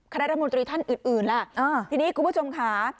คณะรัฐมนตรีท่านอึดอื่นล่ะ๙๐๐๐๐๐๐ทีนี้คือคุณประชงค่ะ